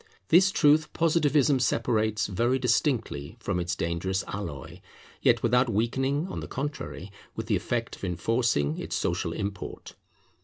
This truth Positivism separates very distinctly from its dangerous alloy, yet without weakening, on the contrary, with the effect of enforcing, its social import.